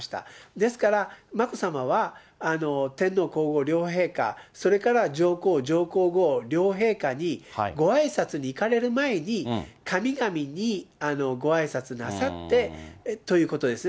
ですから、眞子さまは天皇皇后両陛下、それから上皇上皇后両陛下にごあいさつに行かれる前に、神々にごあいさつなさってということですね。